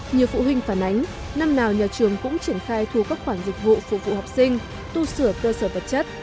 nhiều phụ huynh phản ánh năm nào nhà trường cũng triển khai thu các khoản dịch vụ phục vụ học sinh tu sửa cơ sở vật chất